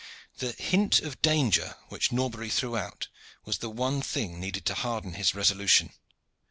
The hint of danger which Norbury threw out was the one thing needed to harden his resolution.